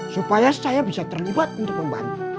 supaya saya bisa terlibat untuk membantu